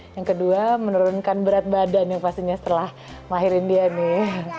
yang kedua menurunkan berat badan yang pastinya setelah melahirin dia nih